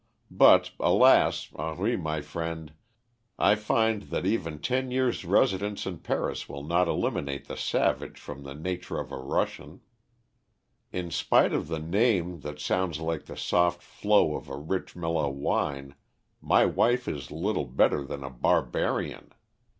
But, alas! Henri, my friend, I find that even ten years' residence in Paris will not eliminate the savage from the nature of a Russian. In spite of the name that sounds like the soft flow of a rich mellow wine, my wife is little better than a barbarian.